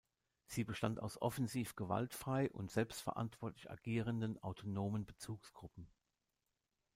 Sie bestand aus offensiv gewaltfrei und selbstverantwortlich agierenden autonomen Bezugsgruppen.